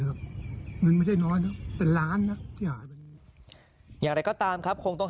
เดือกหนึ่งไม่ใช่น้อยนะเป็นล้านนะอย่างไรก็ตามครับคงต้อง